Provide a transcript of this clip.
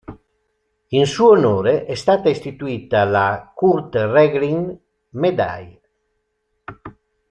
In suo onore è stata istituita la Kurt-Regling-Medaille.